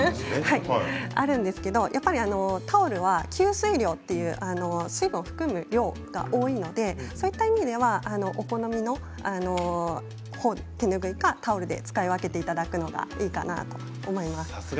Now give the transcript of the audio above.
あるんですけれどやっぱりタオルは吸水量という水分を含む量が多いのでそういった意味ではお好みの手ぬぐいかタオルで使い分けていただくのがいいかなと思います。